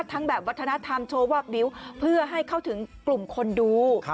ทั้งแบบวัฒนธรรมโชว์วอกบิวต์เพื่อให้เข้าถึงกลุ่มคนดู